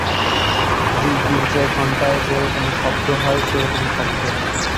জ্বি-গির্জায় ঘন্টার যে-রকম শব্দ হয় সে-রকম শব্দ।